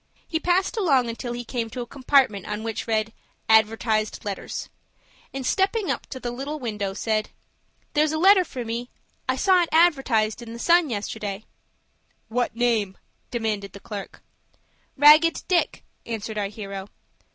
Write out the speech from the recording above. He passed along until he came to a compartment on which he read ADVERTISED LETTERS, and, stepping up to the little window, said,— "There's a letter for me. I saw it advertised in the 'Sun' yesterday." "What name?" demanded the clerk. "Ragged Dick," answered our hero.